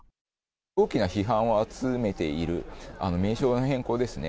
大きな批判を集めている、名称の変更ですね。